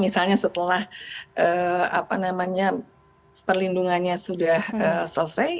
misalnya setelah perlindungannya sudah selesai